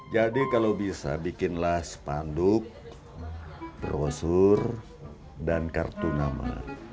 jadi kalau bisa bikinlah sepanduk brosur dan kartu nama